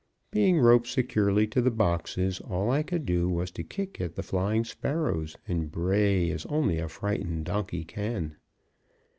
Being roped securely to the boxes, all I could do was to kick at the flying sparrows, and bray as only a frightened donkey can.